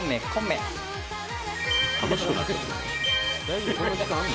楽しくなっちゃってる。